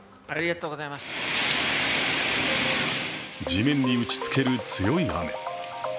地面に打ちつける強い雨。